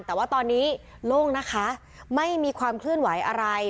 แต่ว่าตอนนี้โล่งนะคะไม่มีความเคลื่อนไหวอะไร